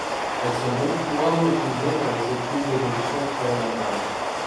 Elles sont donc couramment utilisées dans les études d'évolution expérimentale.